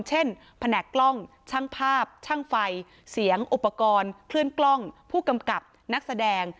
แผนกกล้องช่างภาพช่างไฟเสียงอุปกรณ์เคลื่อนกล้องผู้กำกับนักแสดง